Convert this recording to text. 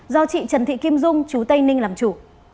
do chị trần thị kim dung chú tây ninh làm chủ